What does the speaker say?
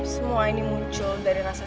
semua ini muncul dari rasa